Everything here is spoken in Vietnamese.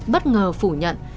bất ngờ phủ nhận